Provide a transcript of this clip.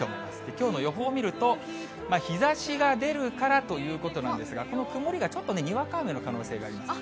きょうの予報を見ると、日ざしが出るからということなんですが、この曇りがちょっとね、にわか雨の可能性があります。